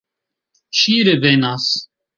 Ŝi revenas.